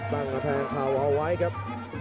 ตั้งกระแทงเขาเอาไว้ครับ